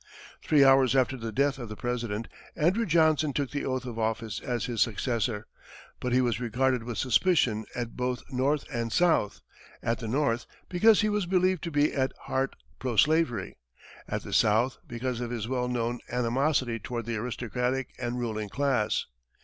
Three hours after the death of the President, Andrew Johnson took the oath of office as his successor, but he was regarded with suspicion at both North and South at the North, because he was believed to be at heart pro slavery; at the South because of his well known animosity toward the aristocratic and ruling class.